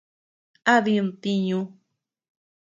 ¿A did ntiñu?